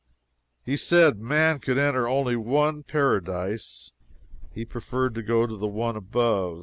He said man could enter only one paradise; he preferred to go to the one above.